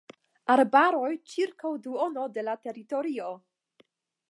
Arbaroj ĉirkaŭ duono de la teritorio.